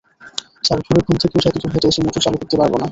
Sir, ভোরে ঘুম থেকে উঠে এতদূর হেঁটে এসে মোটর চালু করতে পারব না।